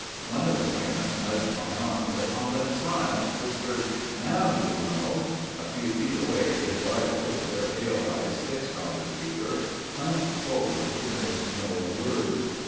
One of the claimants nudged my arm with a confident smile, whispered, "Now you'll know...." A few feet away his rivals, their pale eyes fixed on the speaker, hunched forward to miss no word.